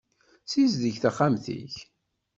Ssizdeg taxxamt-ik.